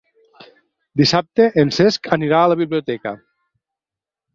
Dissabte en Cesc anirà a la biblioteca.